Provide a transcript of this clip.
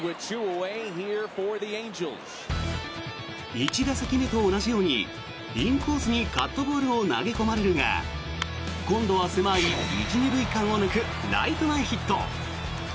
１打席目と同じようにインコースにカットボールを投げ込まれるが今度は狭い１・２塁間を抜くライト前ヒット。